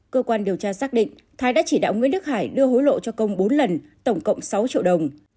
cơ quan điều tra xác định thái đã chỉ đạo nguyễn đức hải đưa hối lộ cho công bốn lần tổng cộng sáu triệu đồng